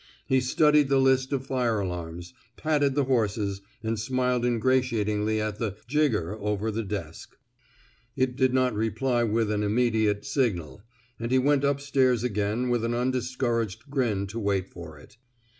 '' He studied the list of fire alarms, patted the horses, and smiled ingratiatingly at the jigger '' over the desk. It did not reply with an immediate signal, and he went up stairs again with an undis couraged grin to wait for it.